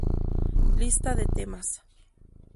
Lista de temas